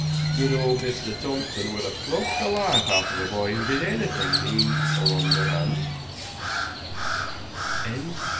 Good old Mr. Thompson would have flogged the life out of a boy who did anything mean or underhand."